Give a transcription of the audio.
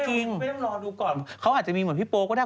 ไม่ต้องรอดูก่อนเขาอาจจะมีเหมือนพี่โป๊ก็ได้